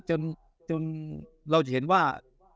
จนเราจะเห็นว่า